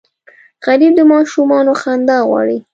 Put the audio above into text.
غریب د ماشومانو خندا غواړي